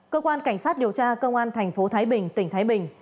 cơ quan cảnh sát điều tra cơ quan thành phố thái bình tỉnh thái bình